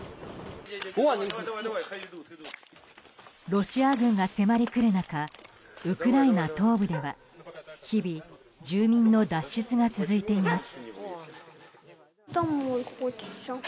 ロシア軍が迫りくる中ウクライナ東部では日々、住民の脱出が続いています。